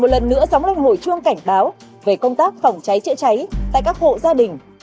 một lần nữa sóng lên hội chuông cảnh báo về công tác phòng cháy trịa cháy tại các hộ gia đình